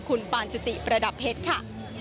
คุณปานจุติประดับเพชรค่ะ